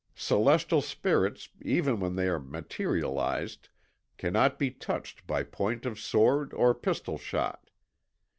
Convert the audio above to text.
Celestial spirits even when they are materialised cannot be touched by point of sword or pistol shot.